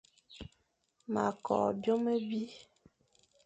Ma kw byôm abi.